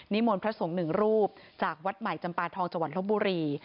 มนต์พระสงฆ์หนึ่งรูปจากวัดใหม่จำปาทองจังหวัดลบบุรี